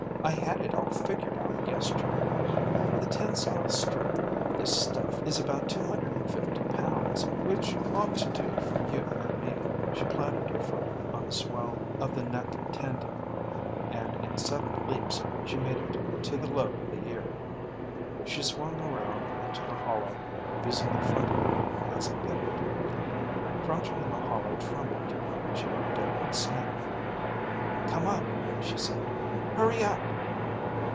"I had it all figured out yesterday. The tensile strength of this stuff is about two hundred and fifty pounds, which ought to do for you and me." She planted her foot on the swell of the neck tendon, and in seven leaps she made it to the lobe of the ear. She swung around into the hollow, using the frontal wing as a pivot. Crouching in the hollow trumpet, she looked down at Snake. "Come up," she said. "Hurry up."